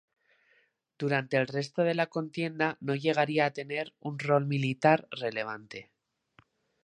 Durante el resto de la contienda no llegaría a tener un rol militar relevante.